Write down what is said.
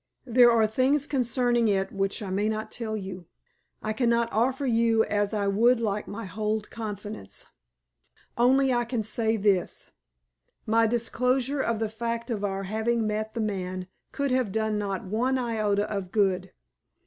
There are things concerning it which I may not tell you. I cannot offer you as I would like my whole confidence. Only I can say this, my disclosure of the fact of our having met the man could have done not one iota of good.